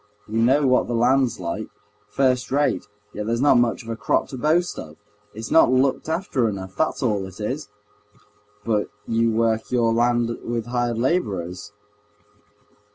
We know what the land's like—first rate, yet there's not much of a crop to boast of. It's not looked after enough—that's all it is!" "But you work your land with hired laborers?"